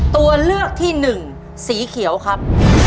ตัวเลือกที่หนึ่งสีเขียวครับ